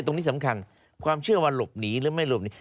ตรงนี้สำคัญความเชื่อว่าหลบหนีหรือไม่หลบหนี